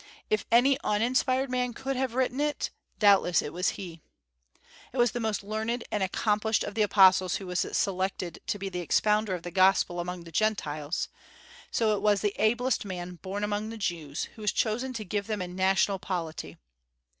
If any uninspired man could have written it, doubtless it was he. It was the most learned and accomplished of the apostles who was selected to be the expounder of the gospel among the Gentiles; so it was the ablest man born among the Jews who was chosen to give them a national polity.